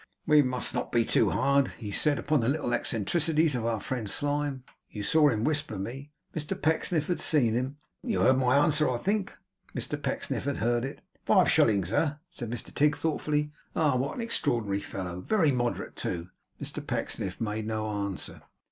'We must not be too hard,' he said, 'upon the little eccentricities of our friend Slyme. You saw him whisper me?' Mr Pecksniff had seen him. 'You heard my answer, I think?' Mr Pecksniff had heard it. 'Five shillings, eh?' said Mr Tigg, thoughtfully. 'Ah! what an extraordinary fellow! Very moderate too!' Mr Pecksniff made no answer.